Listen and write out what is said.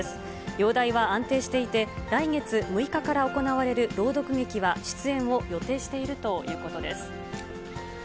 容体は安定していて、来月６日から行われる朗読劇は出演を予定しているということです。